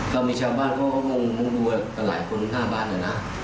เขามีชามบ้านก็มุ่งด้วยเป็นหลายคนหน้าบ้านเลยนะ